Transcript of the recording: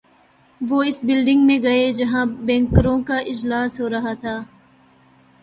وہ اس بلڈنگ میں گئے جہاں بینکروں کا اجلاس ہو رہا تھا۔